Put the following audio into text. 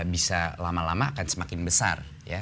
bisa lama lama akan semakin besar